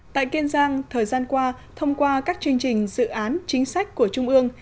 tại kiên giang thời gian qua thông qua các chương trình dự án chính sách của trung ương